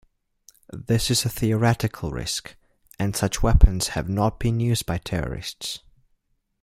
This is a theoretical risk, and such weapons have not been used by terrorists.